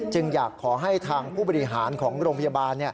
อยากขอให้ทางผู้บริหารของโรงพยาบาล